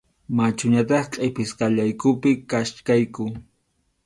Machuñataq qʼipisqallaykupi kachkayku.